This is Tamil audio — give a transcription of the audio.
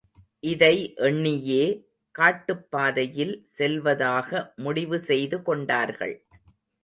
இதை எண்ணியே காட்டுப்பாதையில் செல்வதாக முடிவு செய்து கொண்டார்கள்.